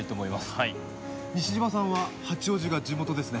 はい西島さんは八王子が地元ですね